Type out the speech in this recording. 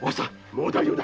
もう大丈夫だ。